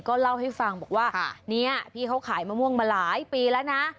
ก็เล่าให้ฟังบอกว่าเนี่ยพี่เขาขายมะม่วงมาหลายปีแล้วนะ